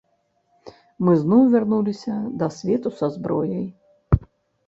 Мы зноў вярнуліся да свету са зброяй.